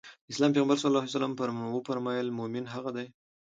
د اسلام پيغمبر ص وفرمايل مومن هغه دی.